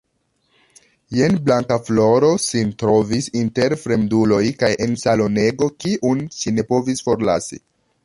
Jen Blankafloro sin trovis inter fremduloj kaj en salonego, kiun ŝi ne povis forlasi.